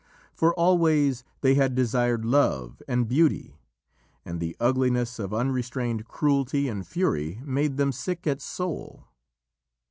For always they had desired love and beauty, and the ugliness of unrestrained cruelty and fury made them sick at soul.